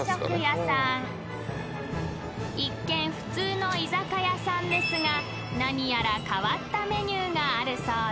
［一見普通の居酒屋さんですが何やら変わったメニューがあるそうで］